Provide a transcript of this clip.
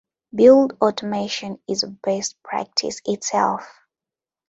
Build automation is a best practice itself.